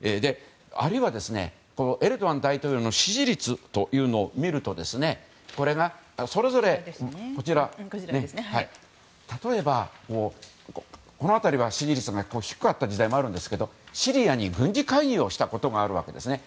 あるいはエルドアン大統領の支持率というのを見ると例えば、昔は支持率が低かった時代もあるんですけどシリアに軍事介入をしたことがあるわけですね。